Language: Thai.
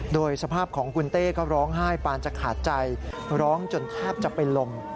โดยสภาพของคุณเต้ก็ร้องไห้ปานจะขาดใจร้องจนแทบจะเป็นลม